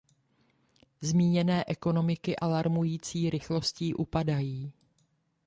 Zmíněné ekonomiky alarmující rychlostí upadají.